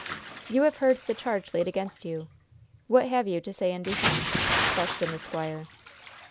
"You have heard the charge laid against you. What have you to say in defense?" questioned the squire.